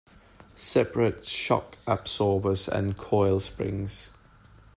Separate shock absorbers and coil springs.